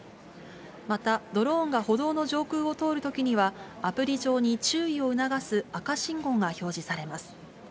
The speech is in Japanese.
またドローンが歩道の上空を通るときには、アプリ上に注意を促す赤信号が表示されます。